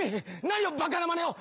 何をバカなまねを！